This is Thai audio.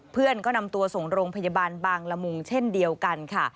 เพื่อนก็นำตัวส่งโรงพยาบาลบางละมุงเช่นเดียวกันค่ะ